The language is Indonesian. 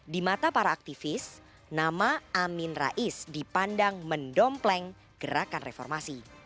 di mata para aktivis nama amin rais dipandang mendompleng gerakan reformasi